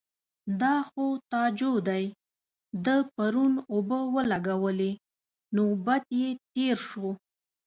_دا خو تاجو دی، ده پرون اوبه ولګولې. نوبت يې تېر شو.